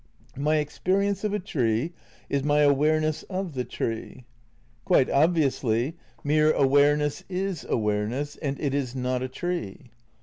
My experience of a tree is my awareness of the tree. Quite obviously, irtere awareness is awareness and it is not a tree.